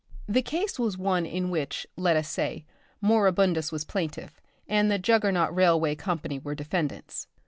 The case was one in which, let us say, Moribundus was plaintiff, and the Juggernaut Railway Company were defendants.